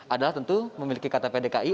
adalah tentu memiliki kata pdki